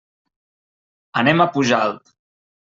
Anem a Pujalt.